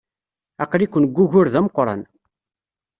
Aql-iken deg wugur d ameqran.